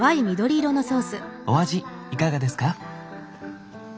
お味いかがですか？